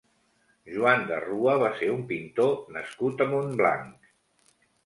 Joan de Rua va ser un pintor nascut a Montblanc.